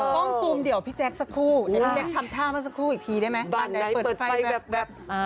ต้องซูมเดียวพี่แจ็คสักครู่พี่แจ็คทำถ้ามาสักครู่อีกทีได้ไหม